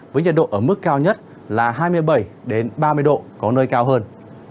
với nhiệt độ ở mức cao nhất là hai mươi bảy ba mươi độ có nơi cao hơn